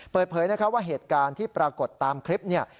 เปิดเผยนะคะว่าเหตุการณ์ที่ปรากฏตามคลิปเนี่ย